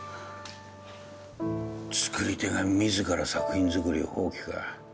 作り手が自ら作品作りを放棄か。